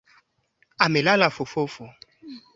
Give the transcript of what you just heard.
Amelala fofofo